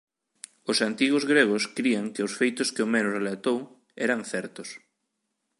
Os antigos gregos crían que os feitos que Homero relatou eran certos.